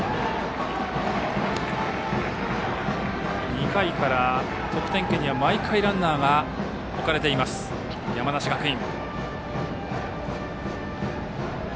２回から得点圏には毎回ランナーが置かれている山梨学院。